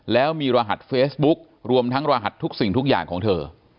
แล้วมีรหัสเฟซบุ๊ครวมทั้งรหัสทุกสิ่งทุกอย่างของเธอ